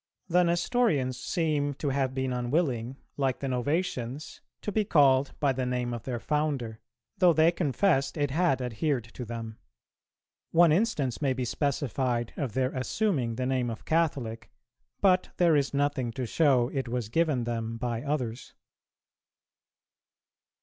The Nestorians seem to have been unwilling, like the Novatians, to be called by the name of their founder,[296:2] though they confessed it had adhered to them; one instance may be specified of their assuming the name of Catholic,[296:3] but there is nothing to show it was given them by others.